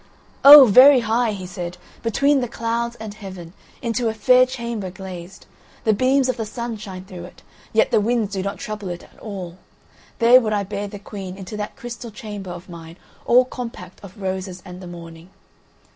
"Oh! very high," he said, "between the clouds and heaven, into a fair chamber glazed. The beams of the sun shine through it, yet the winds do not trouble it at all. There would I bear the Queen into that crystal chamber of mine all compact of roses and the morning."